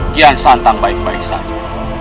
kian santang baik baik saja